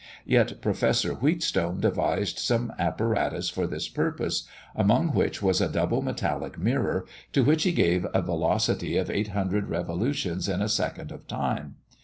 Yet Professor Wheatstone devised some apparatus for this purpose, among which was a double metallic mirror, to which he gave a velocity of eight hundred revolutions in a second of time.